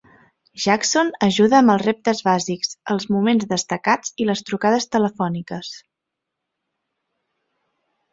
Jackson ajuda amb els reptes bàsics, els moments destacats i les trucades telefòniques.